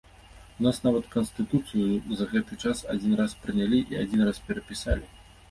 У нас нават канстытуцыю за гэты час адзін раз прынялі і адзін раз перапісалі.